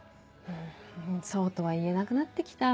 そうとは言えなくなってきた。